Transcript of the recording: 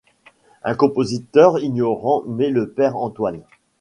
Un compositeur ignorant met le père Antoine.